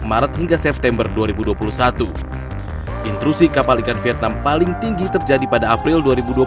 maret hingga september dua ribu dua puluh satu intrusi kapal ikan vietnam paling tinggi terjadi pada april dua ribu dua puluh satu